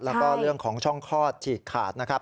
แล้วก็เรื่องของช่องคลอดฉีกขาดนะครับ